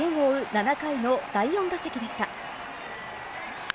７回の第４打席でした。